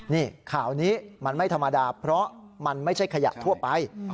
นี่ข่าวนี้มันไม่ธรรมดาเพราะมันไม่ใช่ขยะทั่วไป